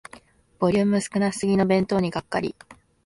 ボリューム少なすぎの弁当にがっかり